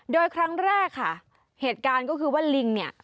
โดยครั้งแรกค่ะเหตุการณ์ก็คือว่าลิงเนี่ย